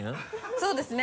そうですね